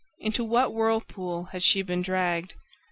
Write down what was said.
Into what whirlpool had she been dragged?